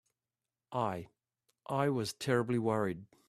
I—I was terribly worried.